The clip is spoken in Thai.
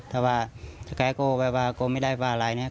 ถ้าว่าทะเกะก็แบบว่าก็ไม่ได้ว่าอะไรเนี่ย